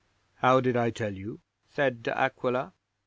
'"How did I tell you?" said De Aquila.